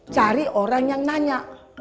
cari orang yang nanya